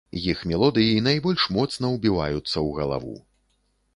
Іх мелодыі найбольш моцна ўбіваюцца ў галаву.